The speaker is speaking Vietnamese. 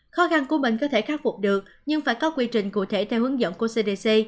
khó khăn của mình có thể khắc phục được nhưng phải có quy trình cụ thể theo hướng dẫn của cdc